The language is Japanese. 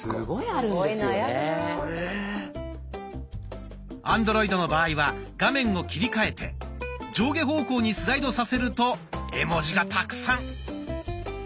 アンドロイドの場合は画面を切り替えて上下方向にスライドさせると絵文字がたくさん。